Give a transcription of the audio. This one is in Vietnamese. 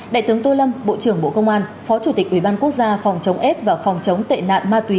đại tướng tô lâm bộ trưởng bộ công an phó chủ tịch ubthq và phòng chống tệ nạn ma túy